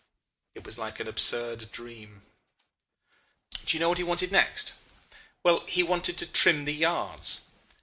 It was like an absurd dream. "Do you know what he wanted next? Well, he wanted to trim the yards.